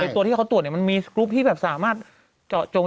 ตัวที่เขาตรวจมันมีสกรุ๊ปที่แบบสามารถเจาะจง